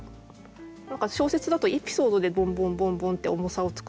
何か小説だとエピソードでボンボンボンボンって「重さ」を作るけど。